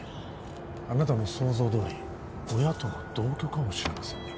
あなたの想像どおり親との同居かもしれませんね